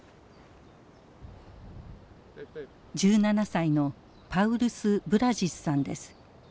１７歳のパウルス・ブラジスさんです。